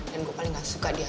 dan gue paling gak suka diatur